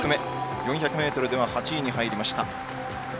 ４００ｍでは８位に入りました。